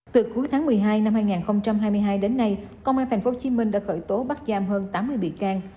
từ cuối tháng một mươi hai năm hai nghìn hai mươi hai đến nay công an tp hcm đã khởi tố bắt giam hơn tám mươi bị can